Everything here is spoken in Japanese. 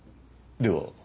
では？